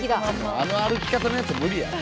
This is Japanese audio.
あの歩き方のやつ無理やろ。